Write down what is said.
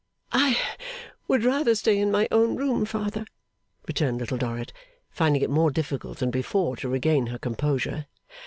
'I would rather stay in my own room, Father,' returned Little Dorrit, finding it more difficult than before to regain her composure.